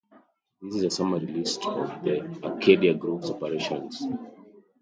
This is a summary list of the Arcadia Group's operations.